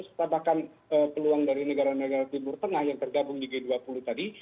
serta bahkan peluang dari negara negara timur tengah yang tergabung di g dua puluh tadi